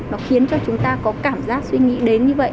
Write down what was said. nó khiến cho chúng ta có cảm giác suy nghĩ đến như vậy